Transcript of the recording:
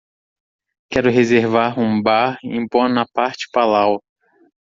Quero reservar um bar em Bonaparte Palau.